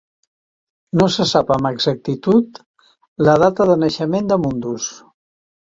No se sap amb exactitud la data de naixement de Mundus.